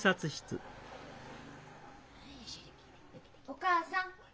お母さん。